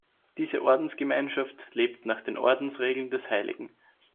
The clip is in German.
Diese Ordensgemeinschaft lebt nach den Ordensregeln des Hl.